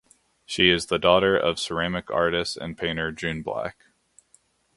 She is the daughter of ceramic artist and painter June Black.